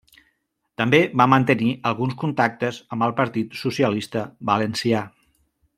També va mantenir alguns contactes amb el Partit Socialista Valencià.